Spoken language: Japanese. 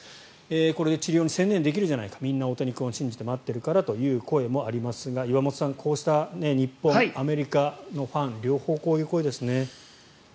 これで治療に専念できるじゃないかみんな大谷君を信じて待っているという声もありますが岩本さん、こうした日本、アメリカのファン両方こういう声ですね。